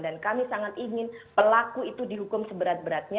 kami sangat ingin pelaku itu dihukum seberat beratnya